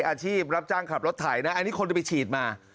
อาชีพรับจ้างขับรถไถนะอันนี้คนที่ไปฉีดมา